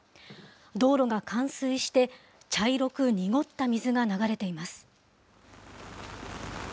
道路が冠水して、茶色く濁った水が流れています。